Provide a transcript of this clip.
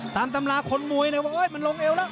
ทำตำลาคนมวยให้เว้ยมันลงเอวแล้ว